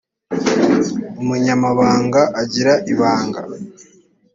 umunyamabanga agira ibanga.